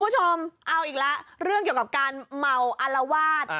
คุณผู้ชมเอาอีกแล้วเรื่องเกี่ยวกับการเมาอารวาส